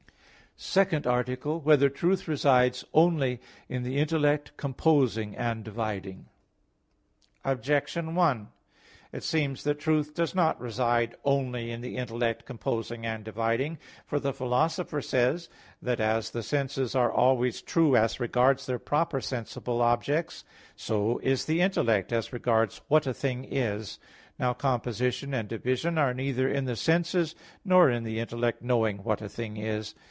_______________________ SECOND ARTICLE [I, Q. 16, Art. 2] Whether Truth Resides Only in the Intellect Composing and Dividing? Objection 1: It seems that truth does not reside only in the intellect composing and dividing. For the Philosopher says (De Anima iii) that as the senses are always true as regards their proper sensible objects, so is the intellect as regards "what a thing is." Now composition and division are neither in the senses nor in the intellect knowing "what a thing is."